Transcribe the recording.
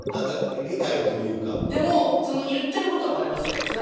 言ってることは分かります。